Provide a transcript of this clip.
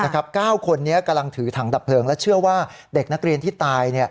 ๙คนนี้กำลังถือถังดับเพลิงและเชื่อว่าเด็กนักเรียนที่ตาย